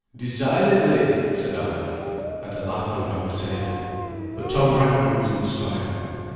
"Decidedly," said Alfred. And a laugh went round the table. But Tom Brangwen was inspired.